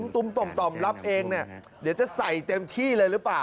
ตุ้มต่อมรับเองเนี่ยเดี๋ยวจะใส่เต็มที่เลยหรือเปล่า